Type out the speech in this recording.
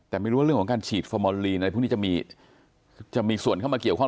แต่ไม่รู้ว่าเรื่องของการฉีดฟอร์มอนลีนอะไรพวกนี้จะมีจะมีส่วนเข้ามาเกี่ยวข้อง